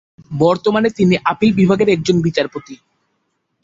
বর্তমানে তিনি আপিল বিভাগের একজন বিচারপতি।